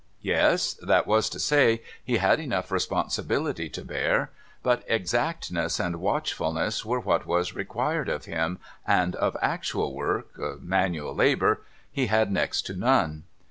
Yes; that was to say, he had enough responsibility to bear; but exactness and watchfulness were what was required of him, and of actual work — manual labour — he had next to none.